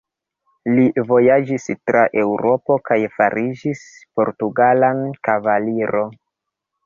Li vojaĝis tra Eŭropo kaj fariĝis portugala kavaliro.